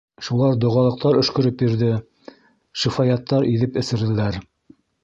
Шулар доғалыҡтар өшкөрөп бирҙе, шифаяттар иҙеп эсерҙеләр.